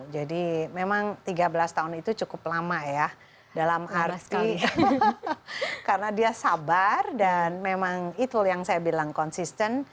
jadi memang tiga belas tahun itu cukup lama ya dalam arti karena dia sabar dan memang itu yang saya bilang konsisten